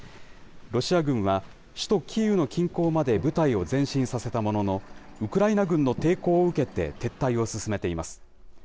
ロシア軍は、首都キーウの近郊まで部隊を前進させたものの、ウクライナ軍の抵抗を受けて撤退を進めています。